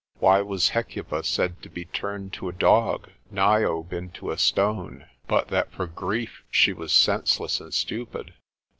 Why was Hecuba said to be turned to a dog? Niobe into a stone? but that for grief she was senseless and stupid.